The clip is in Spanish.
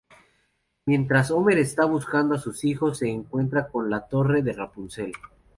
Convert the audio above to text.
Mientras Homer está buscando a sus hijos se encuentra con la torre de Rapunzel.